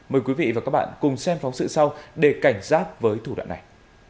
mời quý vị và các bạn cùng xem phóng sự sau để cảnh giác với thủ đoạn này